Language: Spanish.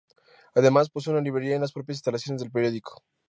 Además, posee una librería en las propias instalaciones del periódico.